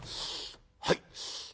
「はい。